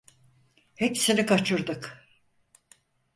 Hepsini kaçırdık…